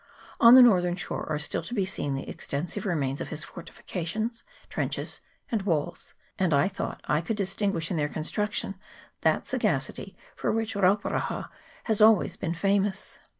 On the north ern shore are still to be seen the extensive remains of his fortifications^ trenches, and walls, and I thought I could distinguish in their construction that sagacity for which Rauparaha has been always famous.